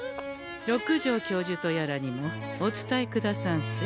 六条教授とやらにもお伝えくださんせ。